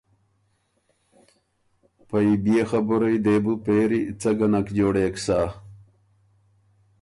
پئ بيې خبُرئ دې بو پېری څۀ ګۀ نک جوړېک سۀ۔